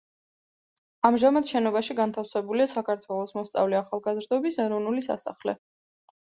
ამჟამად, შენობაში განთავსებულია საქართველოს მოსწავლე-ახალგაზრდობის ეროვნული სასახლე.